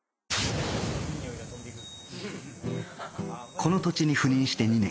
この土地に赴任して２年